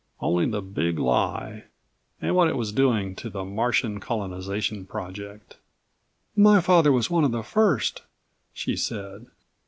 Only the Big Lie and what it was doing to the Martian Colonization Project. "My father was one of the first," she said.